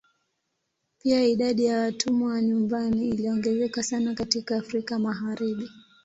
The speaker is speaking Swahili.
Pia idadi ya watumwa wa nyumbani iliongezeka sana katika Afrika Magharibi.